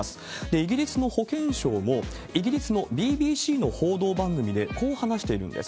イギリスの保健相も、イギリスのＢＢＣの報道番組で、こう話しているんです。